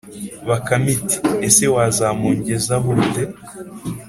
bakame iti: "Ese wazamungezaho ute?"